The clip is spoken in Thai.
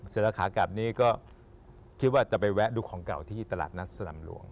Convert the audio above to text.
เสร็จละขาขาบนี้ก็คิดว่าจะไปแวะดูของกล่าวที่ตราบนรัฐสำรวง